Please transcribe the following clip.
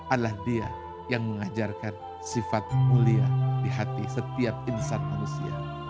adalah dia yang mengajarkan sifat mulia di hati setiap insan manusia